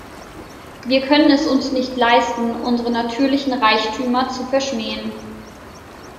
Wir können es uns nicht leisten, unsere natürlichen Reichtümer zu verschmähen.